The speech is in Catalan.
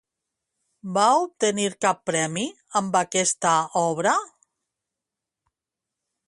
Va obtenir cap premi amb aquesta obra?